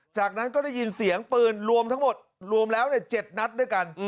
จากนั้นก็ได้ยินเสียงปืนรวมทั้งหมดรวมแล้ว๗นัดด้วยกัน